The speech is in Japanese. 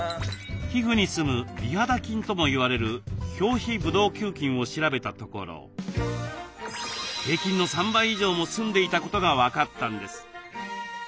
皮膚にすむ美肌菌ともいわれる表皮ブドウ球菌を調べたところ平均の３倍以上もすんでいたことが分かったんです。